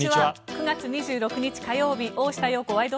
９月２６日、火曜日「大下容子ワイド！